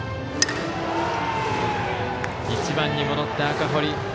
１番に戻った赤堀。